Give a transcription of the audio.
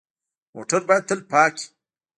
موټر باید تل پاک وي.